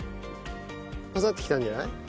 混ざってきたんじゃない？